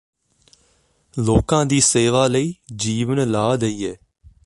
ਲੋਕਾਂ ਦੀ ਸੇਵਾ ਲਈ ਜੀਵਨ ਲਾ ਦੇਈਏ